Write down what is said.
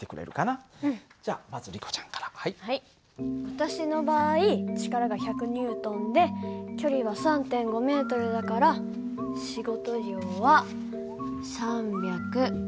私の場合力が１００Ｎで距離は３．５ｍだから仕事量は３５０Ｊ。